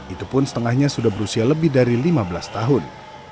itu pun setengahnya sudah berusia lebih dari lima belas tahun